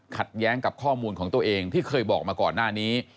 แย้งกับข้อมูลของตัวเองที่เคยบอกมาก่อนหน้านี้